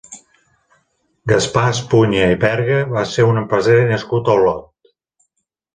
Gaspar Espuña i Berga va ser un empresari nascut a Olot.